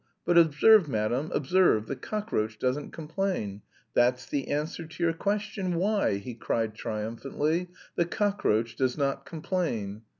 But observe, madam, observe, the cockroach doesn't complain. That's the answer to your question, why?" he cried triumphantly. "'The cockroach does not complain.'